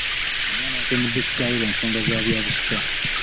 Omwana yatemudde kitaawe lwa nsonga zabyabusika.